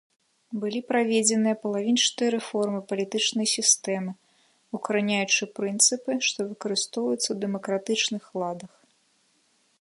Былі праведзеныя палавінчатыя рэформы палітычнай сістэмы, укараняючы прынцыпы, што выкарыстоўваюцца ў дэмакратычных ладах.